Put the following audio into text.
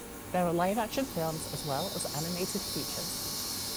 There are live action films as well as animated features.